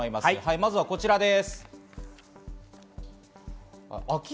まずこちらです。